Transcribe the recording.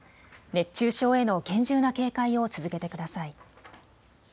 熱中症への厳重な警戒を続けてください。